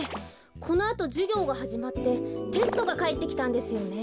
このあとじゅぎょうがはじまってテストがかえってきたんですよね。